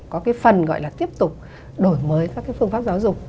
có cái phần gọi là tiếp tục đổi mới các cái phương pháp giáo dục